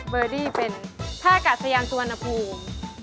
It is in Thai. เบอร์ดี้เป็นท่ากาศยานสุวรรณภูมิ